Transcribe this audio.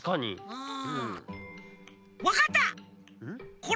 うん？